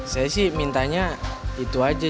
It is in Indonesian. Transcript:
saya sih mintanya itu aja